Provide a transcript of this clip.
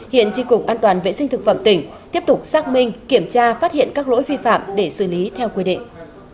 hiện tri cục an toàn vệ sinh thực phẩm tỉnh tiếp tục xác minh kiểm tra phát hiện các lỗi vi phạm để xử lý theo quy định